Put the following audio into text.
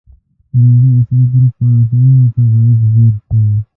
د لومړي اصلي ګروپ عنصرونو ته باید ځیر شو.